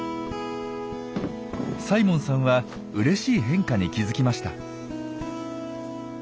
サイモンさんはうれしい変化に気付きました。